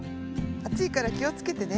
あついからきをつけてね。